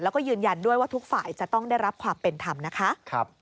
แล้วก็ยืนยันด้วยว่าทุกฝ่ายจะต้องได้รับความเป็นธรรมนะคะ